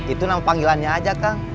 itu panggilannya aja kang